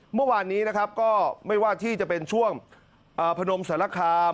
เมื่อวานนี้นะครับก็ไม่ว่าที่จะเป็นช่วงพนมสารคาม